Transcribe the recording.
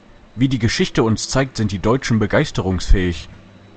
Wie die Geschichte uns zeigt, sind die Deutschen begeisterungsfähig.